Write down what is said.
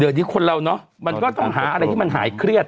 เดี๋ยวนี้คนเราเนอะมันก็ต้องหาอะไรที่มันหายเครียด